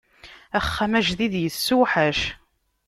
Axxam ajdid issewḥac.